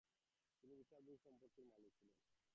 তিনি বিশাল ভূসম্পত্তির মালিক ছিলেন।